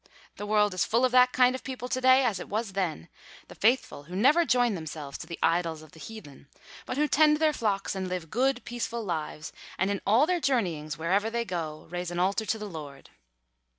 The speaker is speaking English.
The world is full of that kind of people to day as it was then, the faithful who never join themselves to the idols of the heathen, but who tend their flocks and live good peaceful lives, and in all their journeyings, wherever they go, raise an altar to the Lord.